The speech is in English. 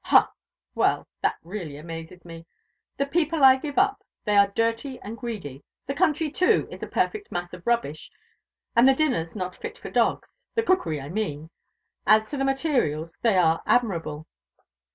"Ha! well, that really amazes me. The people I give up they are dirty and greedy the country, too, is a perfect mass of rubbish, and the dinners not fit for dogs the cookery, I mean; as to the materials, they are admirable.